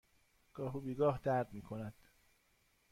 گاه و بیگاه درد می کند.